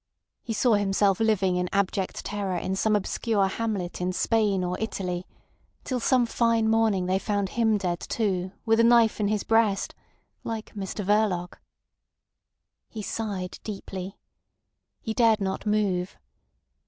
He saw himself living in abject terror in some obscure hamlet in Spain or Italy; till some fine morning they found him dead too, with a knife in his breast—like Mr Verloc. He sighed deeply. He dared not move.